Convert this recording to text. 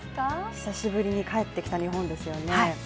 久しぶりに帰ってきた日本ですよね